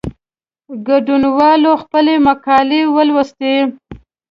ګډونوالو خپلي مقالې ولوستې.